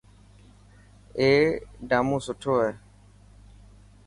اي ڊامون سٺو هي.